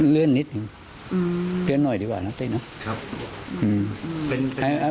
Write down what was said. เรื่อนนิดนึงเรื่อนหน่อยดีกว่านักติดนะ